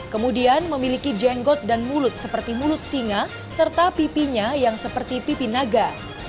kemudian memiliki jenggot dan mulut seperti mulut singa serta pipinya yang seperti pipi naga